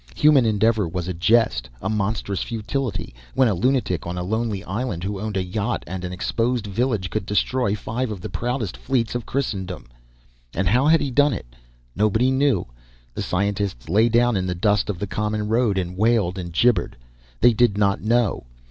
Human endeavour was a jest, a monstrous futility, when a lunatic on a lonely island, who owned a yacht and an exposed village, could destroy five of the proudest fleets of Christendom. And how had he done it? Nobody knew. The scientists lay down in the dust of the common road and wailed and gibbered. They did not know.